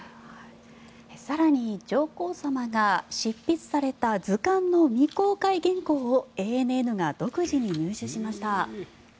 更に、上皇さまが執筆された図鑑の未公開原稿をＡＮＮが独自に入手しました。